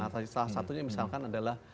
salah satunya misalkan adalah